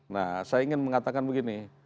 nah saya ingin mengatakan begini